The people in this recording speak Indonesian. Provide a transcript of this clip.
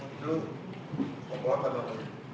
itu kekuatan nama bokak